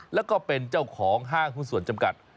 แล้วก็เป็นเจ้าของห้างหุ้นส่วนจำกัด